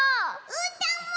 うーたんも！